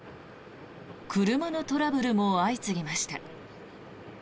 車のトラブルも相次ぎました。